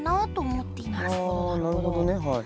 なるほどねはい。